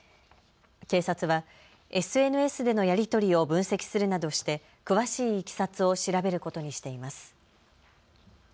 警察はＳＮＳでのやり取りを分析するなどして詳しいいきさつを調べることにしています。